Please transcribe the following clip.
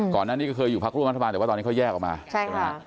ก่อนหน้านี้ก็เคยอยู่พักร่วมรัฐบาลแต่ว่าตอนนี้เขาแยกออกมาใช่ไหมฮะ